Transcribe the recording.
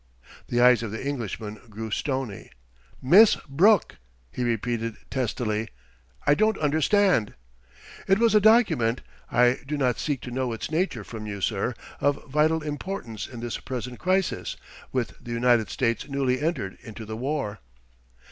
The eyes of the Englishman grew stony. "Miss Brooke!" he repeated testily. "I don't understand." "It was a document I do not seek to know its nature from you, sir of vital importance in this present crisis, with the United States newly entered into the war."